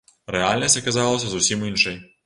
Рэальнасць аказалася зусім іншай.